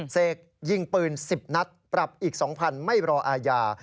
เสกยิงปืน๑๐นัดปรับอีก๒๐๐ไม่รออาญา